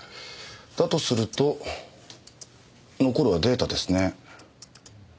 だとすると残るはデータですね。